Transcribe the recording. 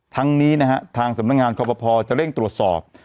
ทั้งนี้นะฮะทางสำนักงานคอปภจะเร่งตรวจสอบ